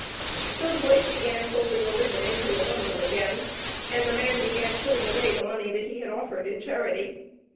So the wife began folding the linen into a bundle again, and the man began putting away the money that he had offered in charity.